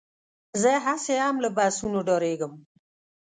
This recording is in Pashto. زه هسې هم له بسونو ډارېږم.